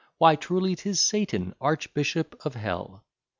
Why truly 'tis Satan, Archbishop of Hell.